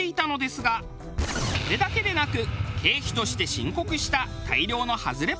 それだけでなく経費として申告した大量のハズレ